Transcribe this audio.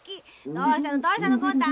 どうしたのどうしたのゴン太。